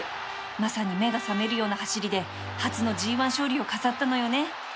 まさに目が覚めるような走りで初の ＧⅠ 勝利を飾ったのよね